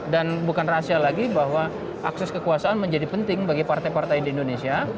dan bukan rahasia lagi bahwa akses kekuasaan menjadi penting bagi partai partai di indonesia